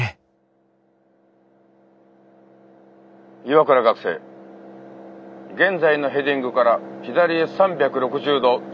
岩倉学生現在のヘディングから左へ３６０度旋回。